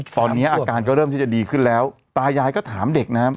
ตอนนี้อาการก็เริ่มที่จะดีขึ้นแล้วตายายก็ถามเด็กนะครับ